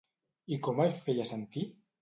I com el feia sentir?